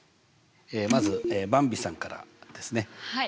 まずばんびさんからですね。